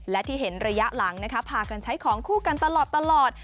และที่เห็นระยะหลังพากันใช้ของคู่กันตลอด